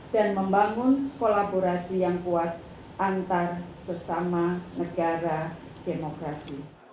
dan membangun kolaborasi yang kuat antar sesama negara demokrasi